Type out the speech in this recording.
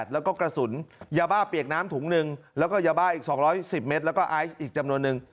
แล้วก็กระสุนยาบ้าเปียกน้ำถุงหนึ่งแล้วก็ยาบ้าอีก๒๑๐เมตรแล้วก็ไอซ์อีกจำนวนนึง